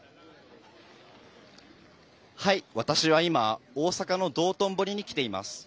私は今、大阪の道頓堀に来ています。